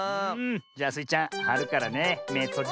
じゃあスイちゃんはるからねめとじててね。